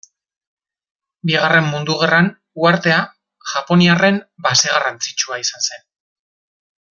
Bigarren Mundu Gerran uhartea japoniarren base garrantzitsua izan zen.